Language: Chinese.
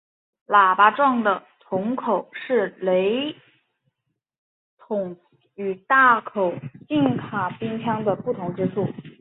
喇叭状的铳口是雷筒与大口径卡宾枪的不同之处。